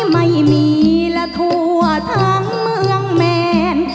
ไม่มีและทั่วทั้งเมืองแมน